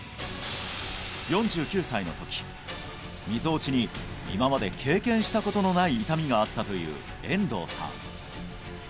４９歳の時みぞおちに今まで経験したことのない痛みがあったという遠藤さん